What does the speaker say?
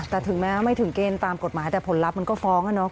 แต่ถึงแม้ไม่ถึงเกณฑ์ตามกฎหมายแต่ผลลัพธ์มันก็ฟ้อง